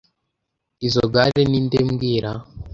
Izoi gare ninde mbwira